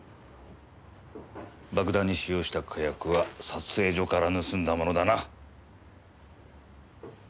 爆弾に使用した火薬は撮影所から盗んだものだな？